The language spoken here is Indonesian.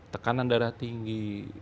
tekanan darah tinggi